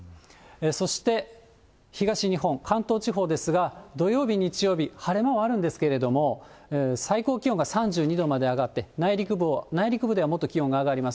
そして東日本、関東地方ですが、土曜日、日曜日、晴れ間はあるんですけれども、最高気温が３２度まで上がって、内陸部ではもっと気温が上がります。